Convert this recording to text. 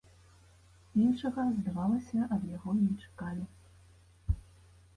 Іншага, здавалася, ад яго і не чакалі.